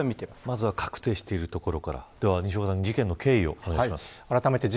まずは確定しているところから事件の経緯をお願いします。